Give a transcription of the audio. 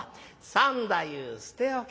「三太夫捨て置け。